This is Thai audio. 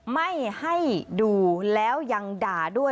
ไม่ให้ดูแล้วยังด่าด้วย